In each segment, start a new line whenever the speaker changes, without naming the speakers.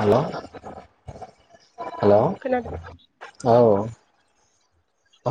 हेल' hello
खोनादों
औ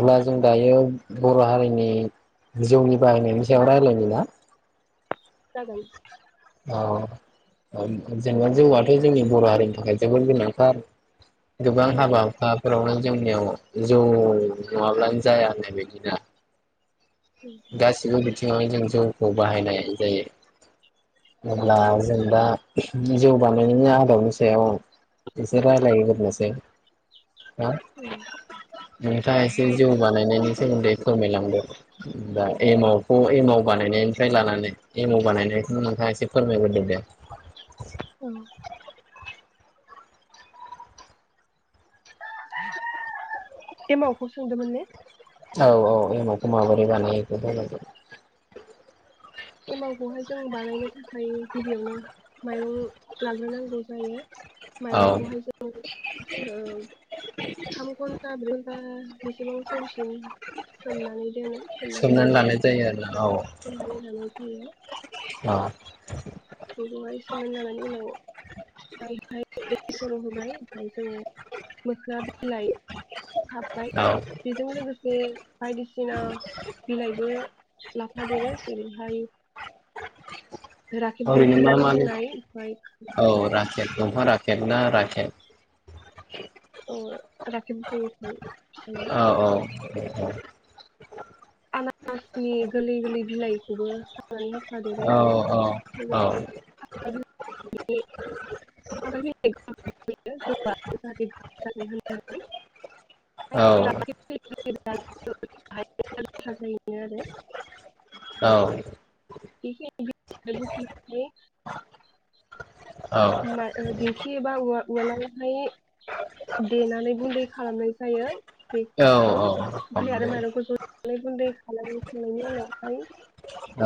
अब्ला जों दायो बर' हारिनि जौनि बाहायनायनि सायाव रायज्लायनि ना
जागोन
अ जोंना जौआथ' जोंनि बर' हारिनि थाखाय जोबोद गोनांथार गोबां
नंगौ
हाबा हुखाफोरावनो जोंनियाव जौ नङाब्लानो जाया होननायबायदिना गासिबो बिथिङाव जों जौखौ बाहायनाय जायो। अब्ला जों दा जौ बानायनायनि आदबनि सायाव एसे रायलाय ग्रोनोसै हो नोंथाङा एसे जौ बानायनायनि सोमोन्दै फोरमायलांदो दा एमाव खौ एमाव बानायनायनिफ्राय लानानै एमाव बानायनायखौनो नोंथाङा एसे फोरमायग्रोदों दे
औ एमावखौ सोंदोंमोन ने?
औ औ एमावखौ माबोरै बानायो बेखौ फोरमायदो
एमावखौहाय जों बानायनो थाखाय गिबियावनो माइरं लाग्रोनांगौ जायो
औ
माइरंखौहाय जोङो थाम घन्टा ब्रै ओ बेसेबां समसिम सोमनानै दोनो
सोमनानै लानाय जायो आरोना औ
होयो
ओ
बेखौहाय सोमनानै लानायनि उनाव ओमफ्राय दै सर' होबाय ओमफाय जोङो मोखना बिलाइ हाबबाय
औ
बेजों लोगोसे बायदिसिना बिलायबो लाफादेरो जेरैहाय खेब
ओरैनो
दंफां
मा मा
होननाय ओमफाय
औ राखेब दंफां राखेब ना राखें।
औ राखेब बुं नोंथां।
औ औ
आनारसनि गोलै-गोलै बिलायखौबो खा नानै होफादेरो
औ औ
लोगोसेनो [unintelligible] [inaudible] [unintelligible]
औ
[unintelligible] आरो
औ।
[unintelligible]
औ
मा ओ दि खि एबा उवा-उवालालायि देनानै गुन्दै खालामनाय जायो। बै खौ बिलाय आरो मायरंख अज गुन्दै खालामखांनायनि उनावहाय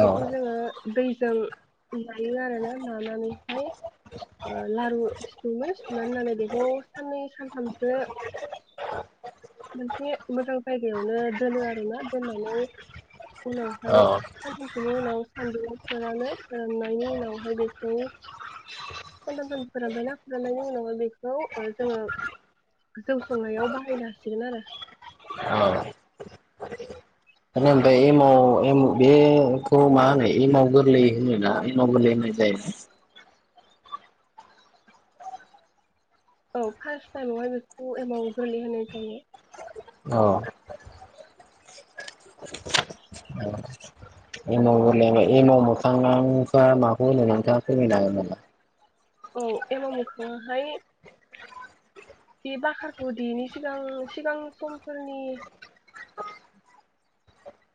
बेखौ जोङो दैजों नायो आरोना नानानैहाय। ओ लारु सिथुमो सिथुनानै होननानै बेखौ साननै सानथामसो। मोनसे मोजां जायगायावनो दोनो आरोना दोननानै।
औ
उनावहाय सानथामसोनि उनाव सान्दुं फोरानो फोराननायनि उनावहाय बेखौ। सानथाम सानब्रै फोरानबायना फोराननायनि उनावहा बेखौ ओ जोङो जौ संनायाव बाहायनो हासिगोन आरो।
औ [unintelligible] एमाव एम बे खौ मा होनो एमव गोरलै होनो ना एमव गोरलै होननाय जायो।
औ फास्थ टायमावहाय बेखौ एमाव गोरलै होनाय जायो।
अ। एमाव गोरलै एबा एमाव मोखांआंफा माखौ होनो नोंथाङा फोरमायनो हागोन नामा।
औ एमाव मोखाङाहाय। बे बाखारखौ देयिनि सिगां सिगां समफोरनि।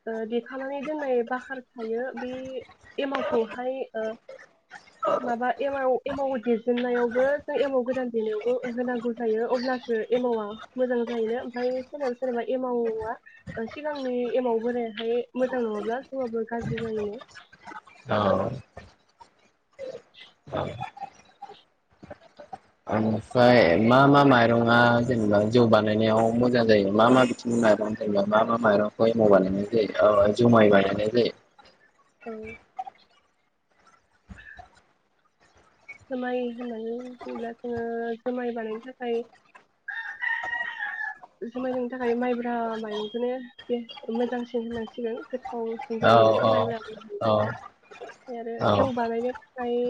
ओ देखानानै दोननाय बाखार थायो बे एमावखौहाय ओ माबा एमाव एमाव देजेननायावबो जों एमाव गोदान देनायावबो होनांगौ जायो अब्लासो एमावा मोजां जायोनो ओमफाय सोरनाबा सोरनाबा एमावआ ओ सिगांनि एमाव। बोरायाहाय मोजां नङाब्ला जौआबो गाज्रि जायोनो। [inaudible]
ओमफाय मा मा माइरङा जेनेबा जौ बानायनायाव मोजां जायो मा मा बिथिंनि माइरं जेनेबा मा मा माइरंखौ एम' बानायनाय जायो जुमाय बानायनाय जायो
औ। जोमाय होननानै बुङोब्ला जोङो जोमाय बानायनो थाखाय जुमाय लोंनो थाखाय माइब्रा माइरंखोनो बे मोजांसिन होननां सिगोन गोथावसिन
औ
जायोनो
औ
माइब्रा [unintelligible]
औ
ओमफाय आरो जौ बानायनो थाखाय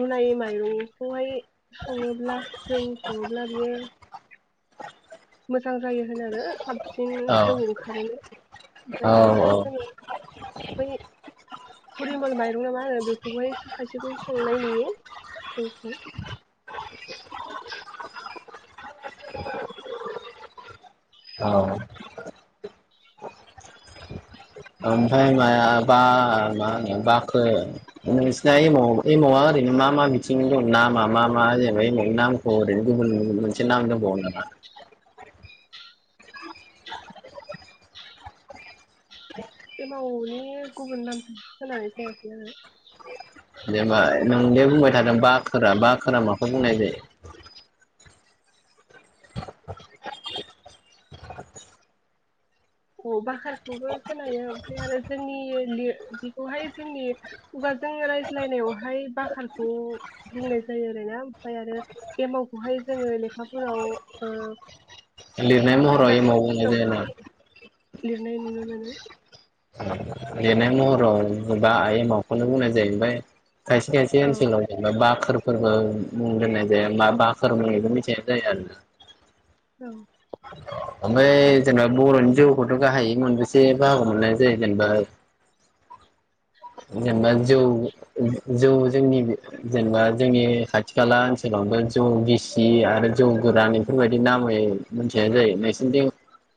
रुनाय माइरंखौहाय सङोब्ला जौ सङोब्ला बियो। मोजां जायो होन आरो साबसिन जौ ओंखारोनो
औ
ओमफ्राय
औ
आरोहाय जोङो बै फुरिमल माइरं नामा होनो बेखौहाय खायसेखौ संनाय नुयो जौखौ।
औ है माया बा मा होनो बाखो नोंसिना एमाव एमावा ओरैनो मा मा बिथिं दं नामा मा मा जेनबा एमावनि नामखौ ओरैनो गुबुन गुबुन मोनसे नाम दंबावो नामा।
एमावनि गुबुन नाम खोनानै जायासै आङो
नोंदे बुंबाय थादों बाखोरा बाखोरा माखौ बुंनाय जायो।
अ' बाखारखौबो खोनायो ओमफ्राय आरो जोंनि लि बिखौहाय जोंनि खुगाजों रायज्लायनायावहाय बाखारखौ बुंनाय जायो ओरायना ओमफाय आरो एमावखौहाय जोङो लेखाफोराव ओ
लिरनाय महराव समाव होननाय जाया ना
लिरनाय नुनो मोनो
लिरनाय महराव बा एमावखौनो बुंनाय जाहैबाय खायसे खायसे
औ
ओनसोलाव जेनबा बाखोर फोरबो मुं दोननाय जाया मा बाखोर मुं बेखौ मिथिनाय जायो आरो
औ
ओमफ्राय जेनेबा बर'नि जौखौथ' गाहायै मोनबेसे बाहागो मोननाय जायो जेनेबा जेनेबा जौ जौ जोंनि जेनेबा जोंनि खाथि खाला ओनसोलावनो जौ गिसि आरो जौ गोरान बेफोरबायदि नामै मिथिनाय जायो नोंसोरनि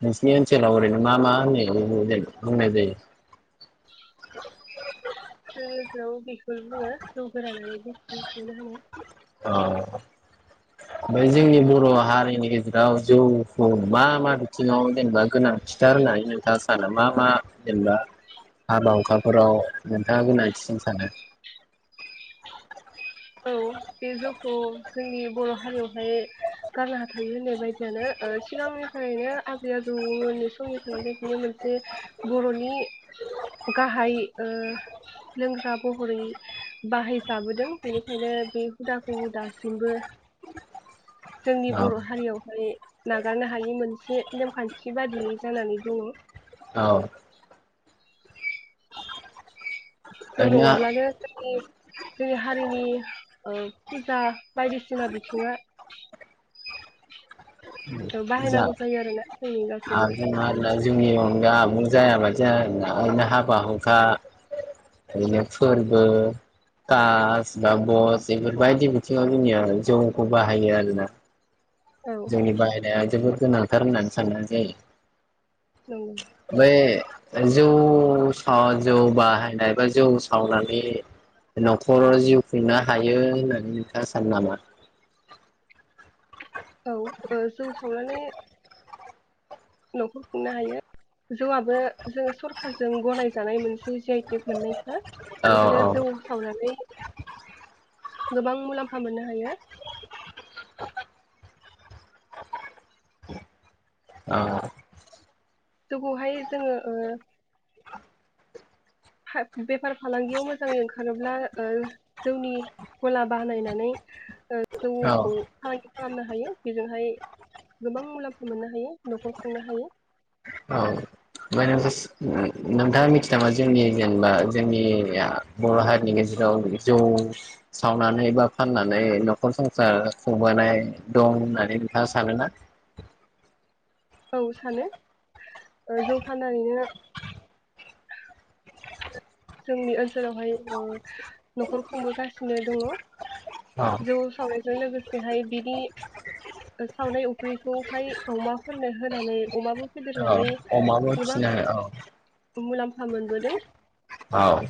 नोंसिरनि ओनसोलाव ओरैनो मा मा होननाय बुंनाय जायो
जोंनिखौ बेखौनो बुङो जौ गोरानानै गिसिबो बिखौनो होनो
अ ओमफ्राय जोंनि बर' हारिनि गेजेराव जौखौ मा मा बिथिङाव जेनेबा गोनांथिथार होननानै नोंथाङा सानो मा मा जेनेबा हाबा हुखाफोराव नोंथाङा गोनांथिसिन सानो
औ बे जौखौ जोंनि बर' हारियावहाय गारनो हाखायै होननाय बायदियानो सिगांनिफ्रायनो आजै आजौै समनिफ्रायनो बियो मोनसे बर'नि गाहाय लोंग्रा महरै बाहायजाबोदों बेनिखायनो बे हुदाखौ दासिमबो जोंनि
औ
बर' हारियावहाय नागारनो हायि मोनसे नेमखान्थि बादियै जानानै दङ
औ
जौ
ओरैनो
नङाब्लानो जोंनि जोंनि हारिनि ओ फुजा ओ बायदिसिना बिथिङा
जा
बाहायनांगौ जायो आरोना जोंनि गासैबो
हागोन आरोना जोंनि आबुं अनगा जायाबायदि जाया बादि जायो आरोना ओरैनो हाबाहुखा ओरैनो फोरबो कास बा बस बेफोर बायदि बिथिङाव जोंनिया जौखौ बाहायो आरोना
औ
जौनि बाहेरा जोबोद गोनांथार होननानै साननाय जायो
औ
बै जौ सा जौ बाहायनाय बा जौ सावनानै न'खराव जिउ खुंनो हायो होननानै नोंथाङा सानो नामा
औ जौ सावनानै न'खर खुंनो हायो जौआबो जों सरखारजों गनायजानाय मोनसे जिआइटिक मोननायखा
औ
बेनिखायनो
औ
जौ सावनानै गोबां मुलाम्फा मोननो हायो
औ
जौखौहाय जोङो ओ बेफार फालांगियाव मोजाङै ओंखारोब्ला ओ जौनि गला बानायनानै
औ
जौखौ फालांगि खालामनो हायो बेजोंहाय गोबां मुलाम्फा मोननो हायो न'खर खुंनो हायो।
औ ओमफ्राय नों नोंथाङा मिथियो नामा जोंनि जेनेबा जोंनि बर' हारिनि गेजेराव जौ सावनानै बा फाननानै न'खर संसार खुंबोनाय दं होननानै नोंथाङा सानोना?
औ सानो जौ फानानैनो जोंनि ओनसोलावहाय ओ न'खर खुंबोगासिनो दङ जौ सावनायजों लोगोसेहाय बिनि सावनाय उख्रिखौहाय अमाफोरनो होनानै अमाबो फेदेर
अमाबो फिसिनो औ
मुलाम्फा मोनबोदों।
औ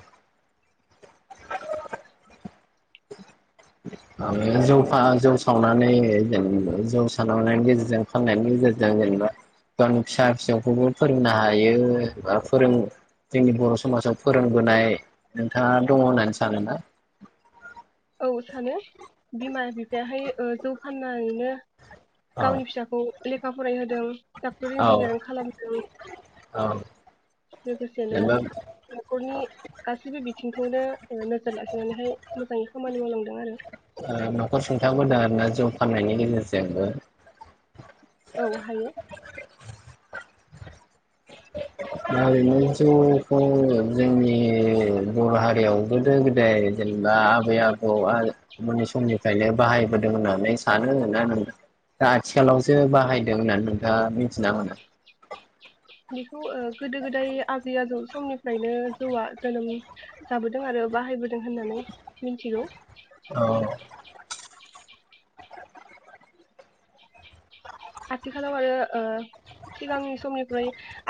ओ जौ फा जौ सावनानै जेनेबा जौ सावनायनि गेजेरजों फाननायनि गेजेरजों जेनेबा गावनि फिसा फिसौखौबो फोरोंनो हायो बा फोरों जोंनि बर' समाजाव फोरोंबोनाय नोंथाङा दङ होननानै सानोना?
औ सानो बिमा बिफायाहाय जौ ओ फाननानैनो गावनि फिसाखौ लेखा फरायहोदों डाक्टर
औ
इन्जिनियारिं खालामदों।
औ
लोगोसेनो
जेनेबा
न'खरनि गासैबो बिथिंखौनो नोजोर लाखिनानैहाय मोजाङै खामानि मावलांदों आरो।
ओ न'खर सुंथाबोदों आरोना जौ फाननायनि गेजेरजोंबो।
औ हायो [inaudible]
थारैनो जौखौ जोंनि बर' हारियाव गोदो-गोदाय जेनेबा आबै-आबौ आबौमोननि समनिफ्रायनो बाहायबोदों होननानै सानो होनो नों दा आथिखालावसो बाहायदों होननानै नोंथाङा मिथिना मोनो?
बेखौ ओ गोदो गोदाय आजै आजौ समनिफ्रायनो जौआ जोनोम जाबोदों आरो बाहायबोदों होननानै मिथिगौ।
औ
आथिखालाव आरो ओ सिगांनि समनिख्रु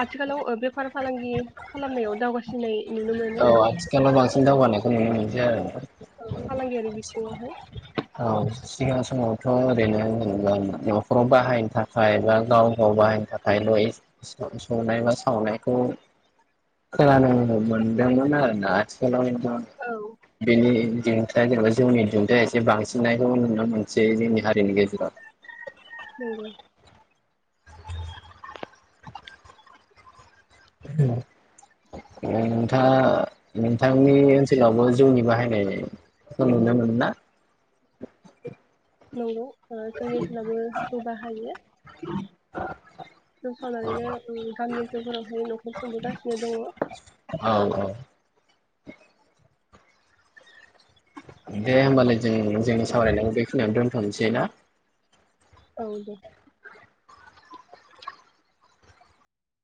आथिखालाव बेफार फालांगि खालामनायाव दावगासिननाय नुनो मोनो।
औ आथिखालाव बांसिन दावगानायखौ नुनो मोनसै आरो।
औ फालांगियारि बिथिङावहाय
औ सिगां समावथ' ओरैनो जेनेबा न'खराव बाहायनो थाखाय बा गाव गाव बाहायनो थाखायल' संनाय बा सावनायखौ खोनानो मोनदोंमोन आरो ना आथिखालाव
औ
[unintelligible] जे बांसिननायखौ नुनो मोनसे जोंनि हारिनि गेजेराव
नोंगौ
नोंथाङा नोंथांनि ओनसोलावबो जौनि बाहायनायखौ नुनो मोनो ना?
नंगौ जोंनि ओनसोलाबो जौ बाहायो जों सावनानैनो गामि ओनसोलफोरावहाय न'खर खुंबोगासिनो दङ।
औ औ दे होनबालाय। जों जोंनि सावरायनायखौ बे खिनियाव दोनथ'नोसै ना?
औ दे